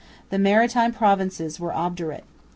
The maritime provinces were obdurate.